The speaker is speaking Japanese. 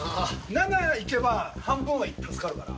７いけば半分は助かるから。